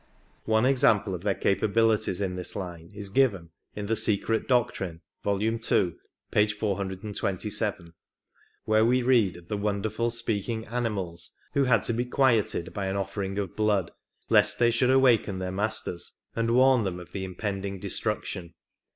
One example of their capabilities in this line is given in The Secret Doctrine (vol. ii., p. 427), where we read of the wonderful speaking animals who had to be quieted by an offering of blood, lest they should awaken their masters and warn them of the impending destruction.